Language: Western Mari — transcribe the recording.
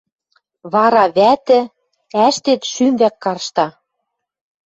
Вара вӓтӹ... Ӓштет — шӱм вӓк каршта.